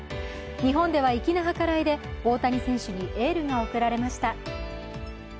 日本では粋な計らいで大谷選手にエールが送られました。